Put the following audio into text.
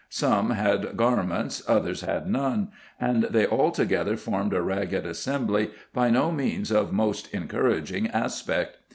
Some had garments, others had none, and they all together formed a ragged assembly, by no means of most encouraging aspect.